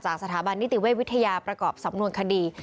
สถาบันนิติเวชวิทยาประกอบสำนวนคดี